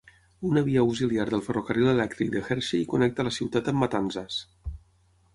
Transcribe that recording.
Una via auxiliar del ferrocarril elèctric de Hershey connecta la ciutat amb Matanzas.